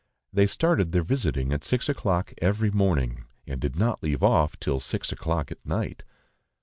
They started their visiting at six o'clock every morning, and did not leave off till six o'clock at night.